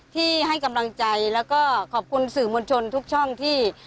ที่ให้กำลังใจแล้วก็ขอบคุณสื่อมวลชนทุกช่องที่